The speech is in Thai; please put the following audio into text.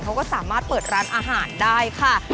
เขาก็สามารถเปิดร้านอาหารได้ค่ะ